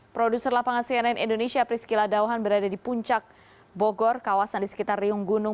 produser lapangan cnn indonesia priscila dauhan berada di puncak bogor kawasan di sekitar riung gunung